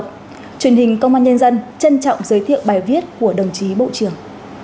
truyền hình công an nhân dân trân trọng giới thiệu bài viết của đồng chí bộ trưởng